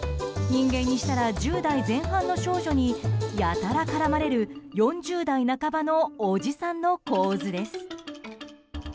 人間にしたら１０代前半の少女にやたら絡まれる４０代半ばのおじさんの構図です。